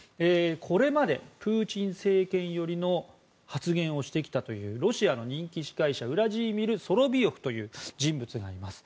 これまでプーチン政権寄りの発言をしてきたというロシアの人気司会者ウラジーミル・ソロビヨフという人物がいます。